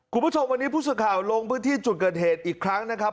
คุณผู้ชมวันนี้ผู้สื่อข่าวลงพื้นที่จุดเกิดเหตุอีกครั้งนะครับ